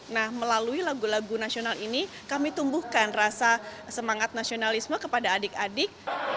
nah melalui lagu lagu nasional ini kami tumbuhkan rasa semangat nasionalisme kepada adik adik